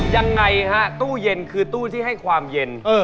ยังไงฮะตู้เย็นคือตู้ที่ให้ความเย็น